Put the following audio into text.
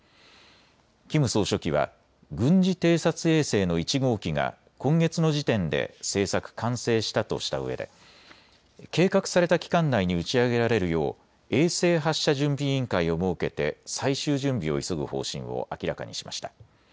キム総書記は軍事偵察衛星の１号機が今月の時点で製作・完成したとしたうえで計画された期間内に打ち上げられるよう衛星発射準備委員会を設けて最終準備を急ぐ方針を明らかにしました。